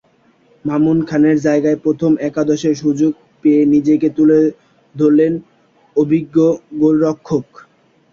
মামুন খানের জায়গায় প্রথম একাদশে সুযোগ পেয়ে নিজেকে তুলে ধরলেন অভিজ্ঞ গোলরক্ষক।